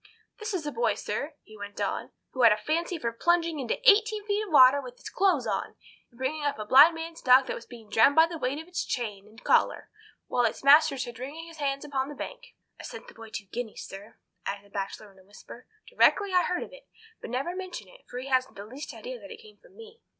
"This is a boy, sir," he went on, "who had a fancy for plunging into eighteen feet of water with his clothes on, and bringing up a blind man's dog that was being drowned by the weight of its chain and collar, while its master stood wringing his hands upon the bank. I sent the boy two guineas, sir," added the Bachelor in a whisper, "directly I heard of it; but never mention it, for he hasn't the least idea that it came from me."